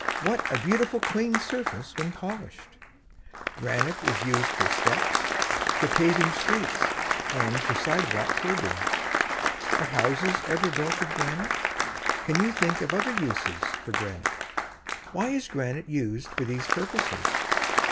What a beautiful clean surface when polished! Granite is used for steps, for paving streets, and for sidewalk curbings. Are houses ever built of granite? Can you think of other uses of granite? Why is granite used for these purposes?